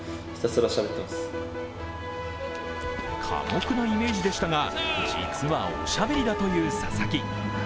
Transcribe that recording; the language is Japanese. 寡黙なイメージでしたが、実はおしゃべりだという佐々木。